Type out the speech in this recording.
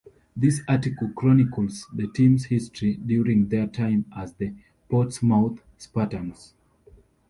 This article chronicles the team's history during their time as the Portsmouth Spartans.